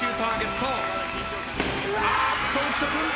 あっと浮所君。